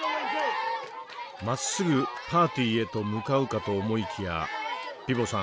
まっすぐパーティーへと向かうかと思いきやピヴォさん